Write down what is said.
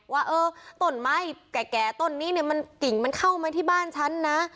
ว่าเออต้นไม้แก่ต้นนี้เนี่ยมันกิ่งมันเข้ามาที่บ้านฉันนะ